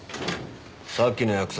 さっきの約束